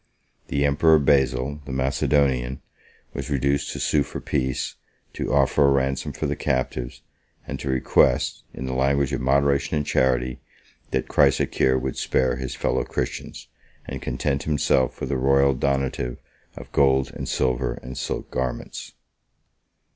The emperor Basil, the Macedonian, was reduced to sue for peace, to offer a ransom for the captives, and to request, in the language of moderation and charity, that Chrysocheir would spare his fellow Christians, and content himself with a royal donative of gold and silver and silk garments.